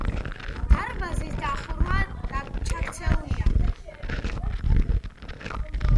დარბაზის გადახურვა ჩაქცეულია.